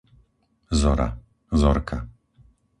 Zora, Zorka